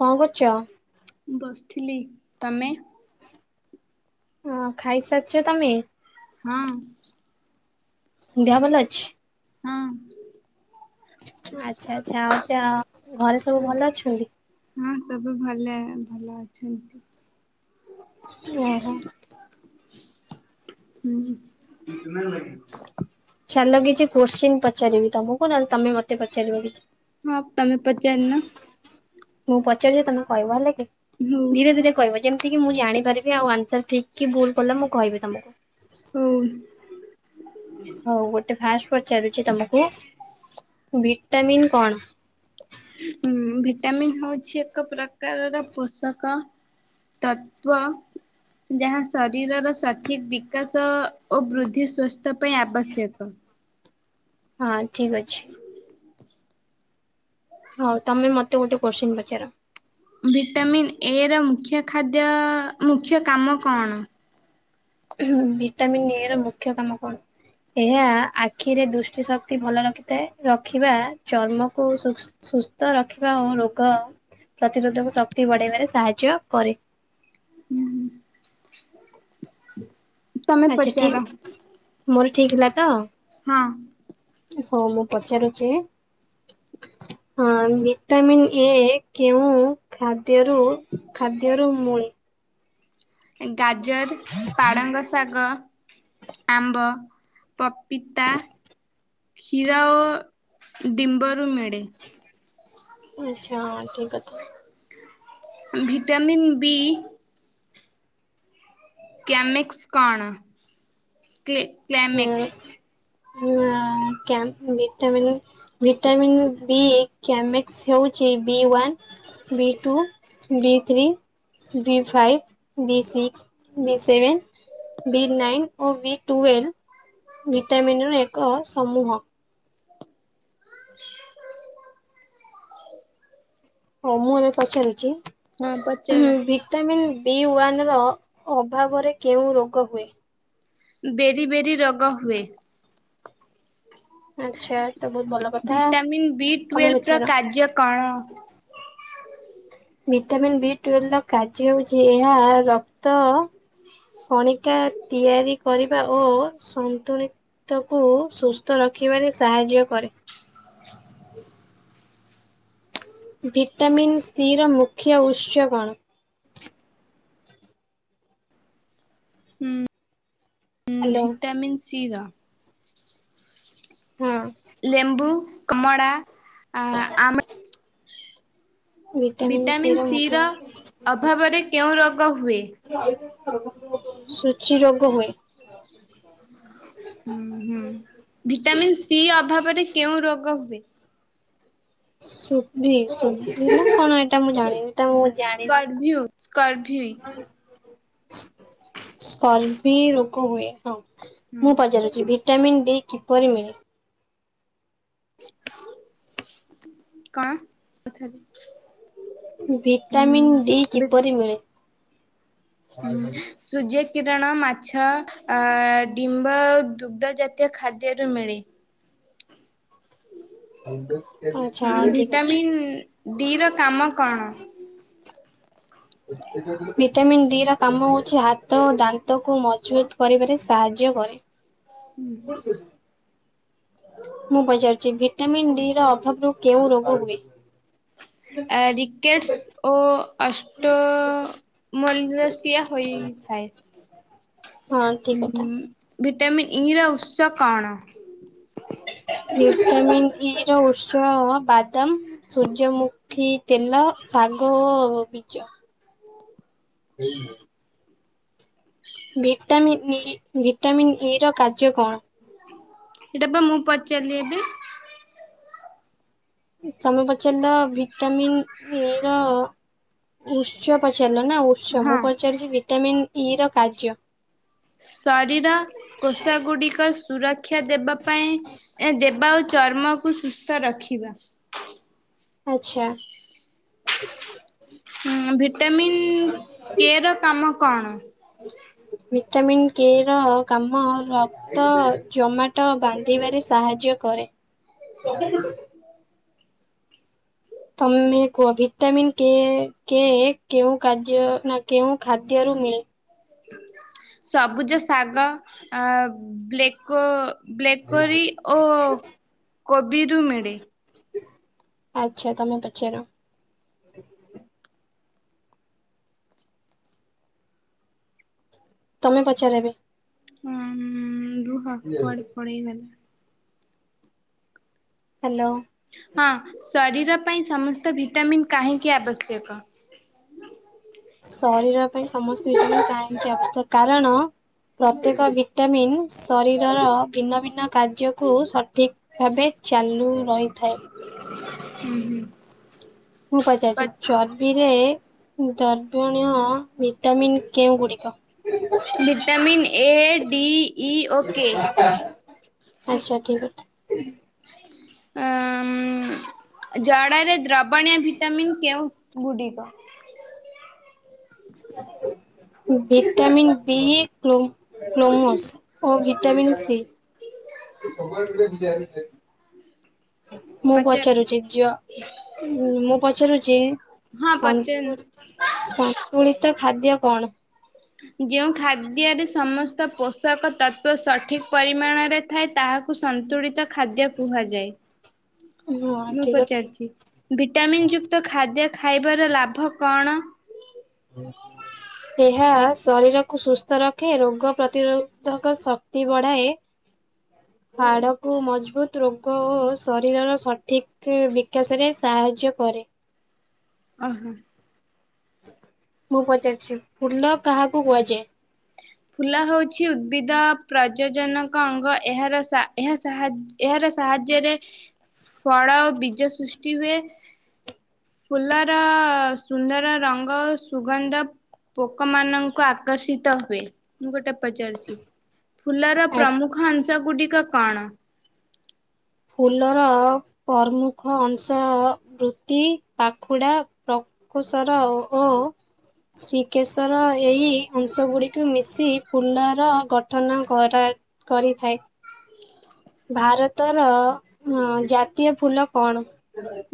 କଁ କରୁଚ। ମୁଁ ବସିଥିଲି ତମେ? ହଁ ଖାଇସାରିଚ ତମେ? ହଁ। ଦେହ ଭଲ ଅଛି। ହଁ ଆଛା ଆଚ୍ଛା ଆଉଚ ଘରେ ସବୁ ଭଲ ଅଛନ୍ତି। ହଁ ସବୁ ଭଲ ଭଲ ଅଛନ୍ତି। ଓହୋ। ହୁଁ [unintelligible] ଲାଗି। ଚାଲ କିଛି କୋଶ୍ଚନ୍ ପଚାରିବି ତମକୁ ନହଲେ ତମେ ମତେ ପଚାରିବ କିଛି। ହଁ ତମେ ପଚାରୁନ। ମୁଁ ପଚାରିବି ତମେ କହିବ ହେଲା କି ହଉ। ଧୀରେ ଧୀରେ କହିବ। ଯେମିତି କିି ମୁଁ ଜାଣିପାରିବି ଆଉ ଆନସାର ଠିକ କି ଭୁଲ କଲେ ମୁଁ କହିବି ତମକୁ। ହଉ। ହଉ ଗୋଟେ ଫାଷ୍ଟ ପଚାରୁଚି ତମକୁ ଭିଟାମିନ୍ କଣ? ଭିଟାମିନ୍ ହଉଛି ଏକ ପ୍ରକାରର ପୋଷକ। ତତ୍ଵ। ଯାହା ଶରୀରର ସଠିକ୍ ବିକାଶ ଓ ବୃଦ୍ଧି ସ୍ୱାସ୍ଥ୍ୟ ପାଇଁ ଆବଶ୍ୟକ। ହଁ ଠିକ୍ ଅଛି। ହଉ ତମେ ମତେ ଗୋଟେ କୋଶ୍ଚିନ ପଚାର। ଭିଟାମିନ୍ ଏ ର ମୁଖ୍ୟ ଖାଦ୍ୟ ମୁଖ୍ୟ କାମ କଣ? ହୁଁ ଭିଟାମିନ୍ ଏ ର ମୁଖ୍ୟ କାମ କଣ? ଏହା ଆଖିରେ ଦୃଷ୍ଟି ଶକ୍ତି ଭଲ ରଖିଥାଏ ରଖିବା ଚର୍ମକୁ ସୁସ ସୁସ୍ଥ ରଖିବା ଓ ରୋଗ ପ୍ରତିରୋଧକ ଶକ୍ତି ବଢ଼େଇବାରେ ସାହାଯ୍ୟ କରେ। ତମେ ଆଚ୍ଛା ପଚାର ଠିକ ମୋର ଠିକ ହେଲା ତ। ହଁ। ହଁ ମୁଁ ପଚାରୁଛି। ହଁ ଭିଟାମିନ୍ ଏ କେଉଁ ଖାଦ୍ୟରୁ ଖାଦ୍ୟର ମୂଲ ଗାଜର ପାଳଙ୍ଗ ଶାଗ ଆମ୍ବ ପପିତା। କ୍ଷୀରା ଓ ଡିମ୍ବରୁ ମିଳେ। ଆଚ୍ଛା ହଁ ଠିକ କଥା। Vitamin B. କ୍ୟାମିକ୍ସ କଣ? କ୍ଲେ [unintelligible] କ୍ଲାମେକ୍ସ। ଭିଟାମନ୍ ବି ଆମେ ସେ ହେଉଛି B one B two B three. B five B six B seven. B nine ଓ ବି ଟୁଲ ଭିଟାମିନ ର ଏକ ସମୂହ। ହଁ ମୁଁ ଏବେ ପଚାରୁଛି ହଁ ପଚାର। ଭିଟାମିନ୍ ବି ୱାନ୍ର ଅଭାବରେ କେଉଁ ରୋଗ ହୁଏ? ବେରି ବେରି ରୋଗ ହୁଏ। ଆଚ୍ଛା ତ ବହୁତ ଭଲ। କଥା ଭିଟାମିନ୍ ବି ତମେ ଟୁଏଲଭର ପଚାର। କାର୍ଯ୍ୟ କଣ? ଭିଟାମିନ୍ ବି ଟୁଏଲ ର କାର୍ଯ୍ୟ ହେଉଛି ଏହା ରକ୍ତ କଣିକା ତିଆରି କରିବା ଓ ସନ୍ତୁଳିତ ତ କ ସୁସ୍ଥ ରଖିବାରେ ସାହାଯ୍ୟ କରେ। ଭିଟାମିନ୍ ସିର ମୁଖ୍ୟ ଉତ୍ସ କଣ? ହ୍ୟାଲୋ ଭିଟାମିନ୍ ସି ର। ହଁ ଲେମ୍ବୁ କମଲା ଆ ଭିଟାମିନ୍ ସି ର ଅଭାବରେ କେଉଁ ରୋଗ ହୁଏ? [unintelligible] ସୂଚି ରୋଗ ହୁଏ। ହୁଁ ହୁଁ ଭିଟାମିିନ ସି ଅଭାବରେ କେଉଁ ରୋଗ ହୁଏ? ସୁଧି ସୁଧି କଣ ଏଇଟା ମୁଁ ଜାଣିନି। ତ ମୁଁ ସ୍କର୍ଭିଉ ସ୍କର୍ଭି ଜାଣିନି। ସ୍ଲ ବି ରୋଗ ହୁଏ ହଁ ମୁଁ ହୁଁ ପଚାରୁଛି। ଭିଟାମିନ୍ ଡି କିପରି ମିଳିବ? କାଣ [unintelligible] ଭିଟାମିନ୍ ଡି କିପରି ମିଳେ? ହଁ ସୂର୍ଯ୍ୟ କିରଣ ମାଛ ଆ ଡିମ୍ବ ଦୁଗ୍ଧ ଜାତୀୟ ଖାଦ୍ୟରୁ ମିଳେ। ଅପ। ଭିଟାମିନ୍ ଡି ର କାମ କଣ? ଭିଟାମନ୍ ଡି ର କାମ ହଉଛି ହାତ ଓ ଦାନ୍ତକୁ ମଜବୁତ କରିବାରେ ସାହାଯ୍ୟ କରେ। [inaudible] ହୁଁ। ମୁଁ ପଚାରୁଛି ଭିଟାମିିନ ଡି ର ଅଭାବ ର କେଉଁ ରୋଗ ହୁଏ? ରିକେଟ୍ସ୍ ଓ ଅଷ୍ଟ ମଲରେସିଆ ହୋଇଥାଏ। [inaudible] ହଁ ଠିକ୍ ଉଁ କଥା। ଭିଟାମିନ୍ ଇ ର ଉତ୍ସ କଣ? ଭିଟାମିନ୍ ଇ ର ଉତ୍ସ ବାଦାମ ସୂର୍ଯ୍ୟମୁଖୀ ତେଲ, ଶାଗ ଓ ବୀଜ। [unintelligible] ଭିଟାମନ୍ ଇ ଭିଟାମିନ୍ ଇ ର କାର୍ଯ୍ୟ କଣ? ଏଟା ପା ମୁଁ ପଚାରିଲି ଏବେ। ତୋମେ ପଚାରିଲ ଭିଟାମିିନ୍ ଏ ର ଉତ୍ସ ପଚାରିଲ ନା ଉତ୍ସ, ମୁଁ ହଁ। ପଚାରିଛି ଭିଟାମିିନ୍ ଇ ର କାର୍ଯ୍ୟ। ଶରୀର କୋଷ ଗୁଡିକ ସୁରକ୍ଷା ଦେବା ପାଇଁ ଏ ଦେବା ଉ ଚର୍ମକୁ ସୁସ୍ଥ ରଖିବା। ଆଚ୍ଛା। ହୁଁ, ଭିଟାମିନ୍ କେ ର କାମ କଣ? ଭିଟାମିନ୍ କେ ର କାମ ର ତ ଜମାଟ ବାନ୍ଧିବାରେ ସାହାଯ୍ୟ କରେ। ତୋମେ କୁହ ଭଟାମିିନ୍ କେ କେ କେଉଁ କାର୍ଯ୍ୟ ନା କେଉଁ ଖାଦ୍ୟରୁ ମିଳେ? ସବୁଜ ଶାଗ ଆ, ବ୍ଲେକ ବ୍ଲେକରି ଓ କୋବିରୁ ମିଳେ। ଆଚ୍ଛା ତୋମେ ପଚାର। ତୋମେ ପଚାର ଏବେ। ଅଁ, ଉମ୍, ରୁହ କୁଆଡେ ପଳେଇଗଲା। ହ୍ୟାଲୋ। ହଁ, ଶରୀର ପାଇଁ ସମସ୍ତ ଭିଟାମିନ୍ କାହିଁକି ଆବଶ୍ୟକ? ଶରୀର ପାଇଁ ସମସ୍ତ ଭିଟାମିନ୍ କାହିଁକି ଆବଶ୍ୟକ କାରଣ ପ୍ରତ୍ୟେକ ଭିଟାମିନ୍ ଶରୀରର ଭିନ୍ନ ଭିନ୍ନ କାର୍ଯ୍ୟକୁ ସ ଠିକ୍ ଭାବେ ଚାଲୁ ରହିଥାଏ। ହୁଁ, ହୁଁ। ମୁଁ ପଚାରୁଚି ଚର୍ବିରେ ଉ, ଦର୍ବଣୀୟ ଭିଟାମିନ୍ କେଉଁ ଗୁଡ଼ିକ? ଭଟାମିନ୍ ଏ, ଡି। ଇ ଓ କେ ଆଚ୍ଛା ଠିକ୍ କଥା। ଅଁ, ଉଁ, ଜଡରେ ଦ୍ରବଣୀୟ ଭିଟାମିନ୍ କେଉଁ ଗୁଡିକ? ଭିଟାମିନ୍ ବି ଇ କ୍ଲୋ କ୍ଲୋମୋସ ଓ ଭଟାମିନ୍ ସି। ମୁଁ ପଚାର ପଚାରୁଚି ଜ ମୁଁ ମୁଁ ପଚାରୁଚି ହଁ ସନ୍ ପଚାର [inaudible] ସ ତୁଳିତ ଖାଦ୍ୟ କଣ? ଯେଉଁ ଖାଦ୍ୟରେ ସମସ୍ତ ପୋଷକ ତତ୍ତ୍ଵ ସଠିକ ପରିମାଣରେ ଥାଏ ତାହା କୁ ସନ୍ତୁଳିତ ଖାଦ୍ୟ କୁହାଯାଏ। ହ [inaudible] ମୁଁ ପଚାରୁଛି। ଭିଟାମିନ୍ ଯୁକ୍ତ ଖାଦ୍ୟ ଖାଇବାର ଲାଭ କଣ? [unintelligible] ଏହା ଶରୀରକୁ ସୁସ୍ଥ ରଖେ। ରୋଗ ପ୍ରତିରୋଧକ ଶକ୍ତି ବଢ଼ାଏ। ହାଡକୁ ମଜବୁତ୍ ରୋଗ ଓ ଶରୀରର ସଠିକ୍ ବିକାଶ ରେ ସାହାଯ୍ୟ କରେ। ଓହୋ। ମୁଁ ପଚାରୁଚି। ଫୁଲ କାହାକୁ କୁହାଯାଏ? ଫୁଲ ହଉଚି ଉଦ୍ଭିଦ ପ୍ରଜଜନକ ଅଙ୍ଗ। ଏହାର ସା ଏହା ସାହା ଏହାର ସାହାଯ୍ୟରେ ଫଳ ଓ ବୀଜ ସୃଷ୍ଟି ହୁଏ। ଫୁଲର ସୁନ୍ଦର ରଙ୍ଗ ଓ ସୁଗନ୍ଧ ପୋକମାନଙ୍କୁ ଆକର୍ଷିତ ହୁଏ। ମୁଁ ଗୋଟେ ପଚାରୁଚି। ଫୁଲର ପ୍ରମୁଖ ଅଂଶ ଗୁଡିକ କଣ? ଫୁଲର ପ୍ରମୁଖ ଅଂଶ ବୃତ୍ତି, ପାଖୁଡ଼ା, ପ୍ର କୁଶର ଓ ଶ୍ରୀକେଶର ଏହି ଅଂଶଗୁଡ଼ିକୁ ମିଶି ଫୁଲର ଗଠନ କରା କରିଥାଏ। ଭାରତର ଜାତୀୟ ଫୁଲ କଣ?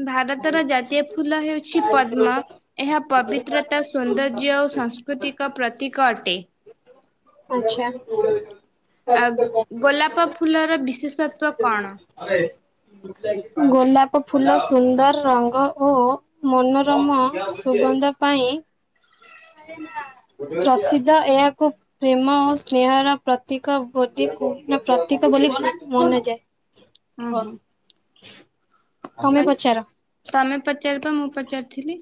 ଭାରତର ଜାତୀୟ ଫୁଲ ହେଉଛି ପଦ୍ମ। ଏହା ପବିତ୍ରତା ସୌନ୍ଦର୍ଯ୍ୟ ଓ ସାଂସ୍କୃତିକ ପ୍ରତୀକ ଅଟେ। ଆଚ୍ଛା। ଗୋଲାପ ଫୁଲର ବିଶେଷତ୍ଵ କଣ? ଗୋଲାପ ଫୁଲ ସୁନ୍ଦର ରଙ୍ଗ ଓ ମନୋରମ ସୁଗନ୍ଧ ପାଇଁ ପ୍ରସିଦ୍ଧ। ଏହାକୁ ପ୍ରେମ ଓ ସ୍ନେହର ପ୍ରତୀକ ବୋଦି କୁ ନା ପ୍ରତୀକ ବୋଲି ମନାଯାଏ। ଉଁ ହୁଁ। ତମେ ପଚାର ତମେ ପଚାରିବ ମୁଁ ପଚାରିଥିଲି।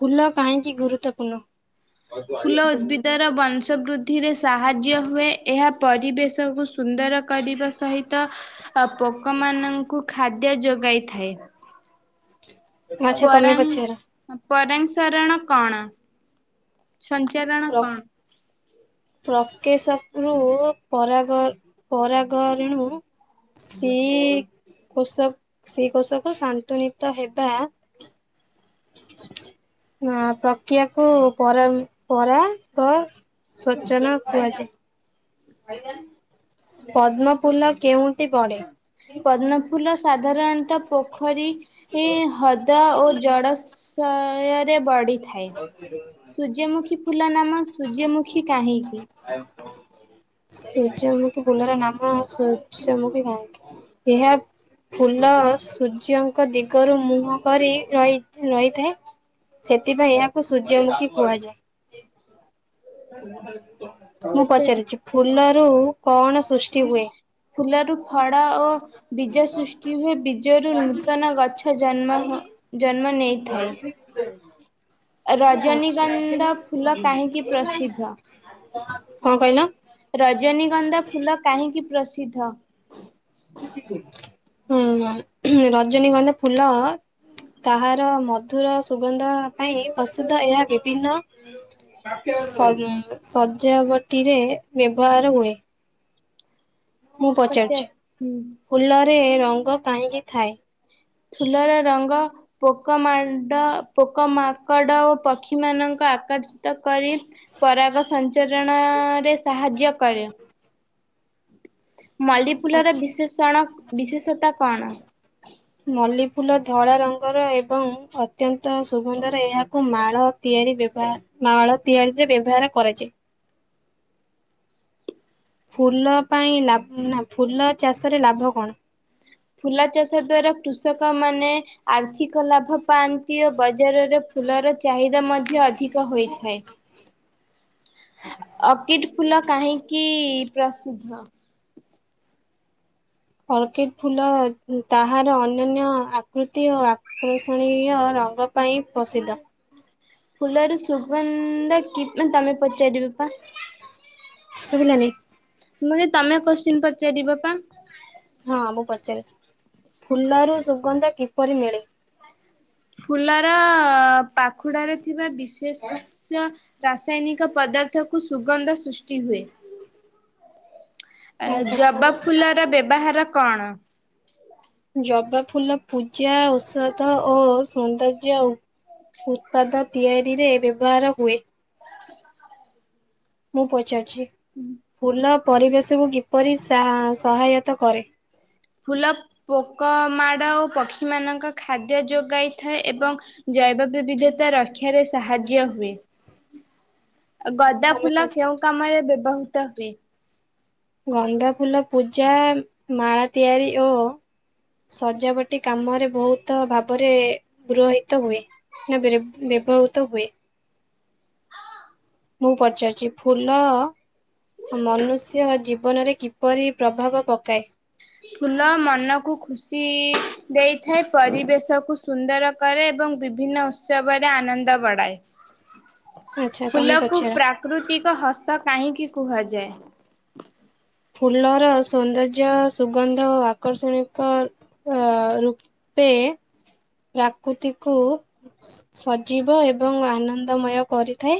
ଫୁଲ କାହିଁକି ଗୁରୁତ୍ୱପୂର୍ଣ୍ଣ? ଫୁଲ ଉଦ୍ଭିଦର ବଂଶ ବୃଦ୍ଧିରେ ସାହାଯ୍ୟ ହୁଏ। ଏହା ପରିବେଶକୁ ସୁନ୍ଦର କରିବା ସହିତ ପୋକମାନଙ୍କୁ ଖାଦ୍ୟ ଯୋଗାଇଥାଏ। ଆଚ୍ଛା ତମେ ପରାମ୍ ପଚାର। ପରାଂସରଣ କଣ? ସଞ୍ଚାରଣ କଣ? ହ ପ୍ରକେଶକ୍ ରୁୁ ପରାଗ ପରାଗରେଣୁ ଶ୍ରୀ କୋଷ ଶ୍ରୀ କୋଷକୁ ଶାନ୍ତୁନିତ ହେବା ପ୍ରକ୍ରିୟାକୁ ପରାମ୍ ପରାଗ ସ୍ବଚନ କୁହାଯାଏ। ପଦ୍ମଫୁଲ କେଉଁଠି ବଡେ? ପଦ୍ମଫୁଲ ସାଧାରଣତଃ ପୋଖରୀ ହ ଦ ଓ ଜଳଶୟରେ ବଢ଼ିଥା ଥାଏ। ସୂର୍ଯ୍ୟମୁଖୀ ଫୁଲ ନାମ ସୂର୍ଯ୍ୟମୁଖୀ କାହିଁକି? ସୂର୍ଯ୍ୟମୁଖୀ ଫୁଲର ନାମ ସୂର୍ଯ୍ୟମୁଖୀ କା ଏହା ଫୁଲ ସୂର୍ଯ୍ୟ ଙ୍କ ଦିଗରୁ ମୁହଁ କରି ରହି ରହିଥାଏ। ସେଥିପାଇଁ ଏହାକୁ ସୂର୍ଯ୍ୟମୁଖୀ କୁହାଯାଏ। ମୁଁ ପଚାର ପଚାରୁଚି। ଫୁଲ ରୁ କଣ ସୃଷ୍ଟି ହୁଏ? ଫୁଲରୁ ଫଳ ଓ ବୀଜ ସୃଷ୍ଟି ହୁଏ। ବୀଜରୁ ନୂତନ ଗଛ ଜନ୍ମ ଜନ୍ମ ନେଇଥାଏ। [inaudible] ଆ ଆଛା ରଜନୀଗନ୍ଧା ଫୁଲ କାହିଁକି ପ୍ରସିଦ୍ଧ? କଣ କହିଲ? ରଜନୀଗନ୍ଧା ଫୁଲ କାହିଁକି ପ୍ରସିଦ୍ଧ? ହୁଁ ରଜନୀଗନ୍ଧା ଫୁଲ ତାହାର ମଧୁର ସୁଗନ୍ଧ ପାଇଁ ପ୍ରସିଦ୍ଧ। ଏହା ବିଭିନ୍ନ ଶ ଶଯାବଟିରେ ବ୍ୟବହାର ହୁଏ। ମୁଁ ପଚାର ପଚାରୁଚି। ହୁଁ ଫୁଲରେ ରଙ୍ଗ କାହିଁକି ଥାଏ? ଫୁଲର ରଙ୍ଗ ପୋକ ମାଡ଼ ପୋକ ମାଙ୍କଡ ଓ ପକ୍ଷୀ ମାନଙ୍କୁ ଆକର୍ଷିତ କରି ପରାଗ ସଞ୍ଚରଣରେ ସାହାଯ୍ୟ କରେ। ମଲ୍ଲି ଫୁଲର ବିଶେଷଣ ବିଶେଷତା କଣ? ମଲ୍ଲି ଫୁଲ ଧଳା ରଙ୍ଗର ଏବଂ ଅତ୍ୟନ୍ତ ସୁଗନ୍ଧରେ ଏହାକୁ ମାଳ ତିଆରି ବ୍ୟବ ମାଳ ତିଆରିରେ ବ୍ୟବହାର କରାଯାଏ। ଫୁଲ ପାଇଁ ଲାବ୍ ନା ଫୁଲ ଚାଷରେ ଲାଭ କଣ? ଫୁଲ ଚାଷ ଦ୍ଵାରା କୃଷକ ମାନେ ଆର୍ଥିକ ଲାଭ ପାଆନ୍ତି ଓ ବଜାରରେ ଫୁଲର ଚାହିଦା ମଧ୍ୟ ଅଧିକ ହୋଇଥାଏ। ଆ ଅର୍କିଟ୍ ଫୁଲ କାହିଁକି ପ୍ରସିଦ୍ଧ? ଅର୍କିଟ୍ ଫୁଲ ତାହାର ଅନ୍ୟାନ୍ୟ ଆକୃତି ଓ ଆକୃଷଣୀୟ ରଙ୍ଗ ପାଇଁ ପ୍ରସିଦ୍ଧ। ଫୁଲରୁ ସୁଗନ୍ଧ କିପ ନା ତମେ ପଚାରିବ ପା। ଶୁବିଲାନି। ମୁଁ କହିଲି ତମେ କୋଶ୍ଚିିନ ପଚାରିବ ପା? ହଁ ମୁଁ ପଚାର ଫୁଲରୁ ସୁଗନ୍ଧ କିପରି ମିଳେ? ଫୁଲର ପାଖୁଡାରେ ଥିବା ବିଶେସ୍ୟ ରାସାୟନିକ ପଦାର୍ଥ କୁ ସୁଗନ୍ଧ ସୃଷ୍ଟି ହୁଏ। ଆଚ୍ଛା ଜବା ଫୁଲର ବ୍ୟବହାର କଣ? ଜବା ଫୁଲ ପୂଜା, ଔଷଧ ଓ ସୌନ୍ଦର୍ଯ୍ୟ ଉ ଉତ୍ପାଦ ତିଆରିରେ ବ୍ୟବହାର ହୁଏ। ମୁଁ ପଚାରୁଚି। ଫୁଲ ପରିବେଶକୁ କିପରି ସା ସହାୟତା କରେ? ଫୁଲ ପୋକ ମାଡ଼ ଓ ପକ୍ଷୀମାନଙ୍କ ଖାଦ୍ୟ ଯୋଗାଇଥାଏ ଏବଂ ଜୈବ ବିବିଧତା ରକ୍ଷାରେ ସାହାଯ୍ୟ ହୁଏ। ଗଦ୍ଦା ତମେ ଫୁଲ ପଚା କେଉଁ କାମରେ ବ୍ୟବହୃତ ହୁଏ? ଗନ୍ଧା ଫୁଲ ପୂଜା ମାଳ ତିଆରି ଓ ସଜାବଟି କାମରେ ବହୁତ ଭାବରେ ଗୁରହିତ ହୁଏ। ନା ବ୍ୟରେ ବ୍ୟବହୃତ ହୁଏ। ମୁଁ ପଚାରୁଚି ଫୁଲ ମନୁଷ୍ୟ ଜୀବନରେ କିପରି ପ୍ରଭାବ ପକାଏ? ଫୁଲ ମନକୁ ଖୁସି ଦେଇଥାଏ। ପରିବେଶକୁୁ ସୁନ୍ଦର କରେ ଏବଂ ବିଭିନ୍ନ ଉତ୍ସବରେ ଆନନ୍ଦ ବଢ଼ାଏ। ହ। ଫୁଲକୁ ପ୍ରାକୃତିକ ହସ୍ତ କାହିଁକି କୁହାଯାଏ? ଫୁଲର ସୌନ୍ଦର୍ଯ୍ୟ, ସୁଗନ୍ଧ ଓ ଆକର୍ଷଣିକ ଅ ରୁ ପେ ପ୍ରକୃତିକୁ ସ୍ ସଜୀବ ଏବଂ ଆନନ୍ଦମୟ କରିଥାଏ।